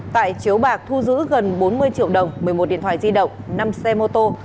tại chiếu bạc thu giữ gần bốn mươi triệu đồng một mươi một điện thoại di động năm xe mô tô